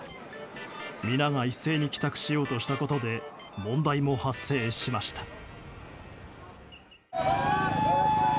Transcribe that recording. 皆が一斉に帰宅しようとしたことで問題も発生しました。